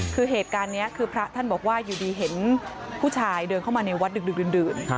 คือเหตุการณ์นี้คือพระท่านบอกว่าอยู่ดีเห็นผู้ชายเดินเข้ามาในวัดดึกดื่น